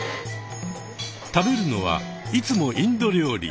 食べるのはいつもインド料理。